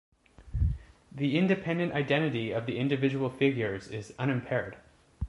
The independent identity of the individual figures is unimpaired.